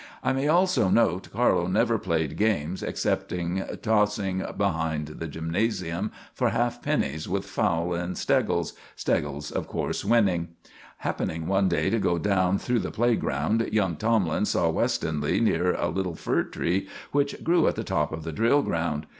I may also note Carlo never played games, excepting tossing behind the gymnasium for half pennies with Fowle and Steggles, Steggles, of course, winning. Happening one day to go down through the playground, young Tomlin saw Westonleigh near a little fir tree which grew at the top of the drill ground.